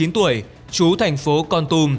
một mươi chín tuổi chú thành phố con tùm